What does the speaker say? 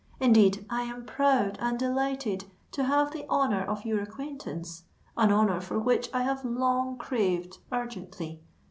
Indeed, I am proud and delighted to have the honour of your acquaintance—an honour for which I have long craved urgently.